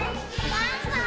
がんばれ！